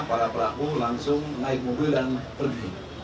para pelaku langsung naik mobil dan pergi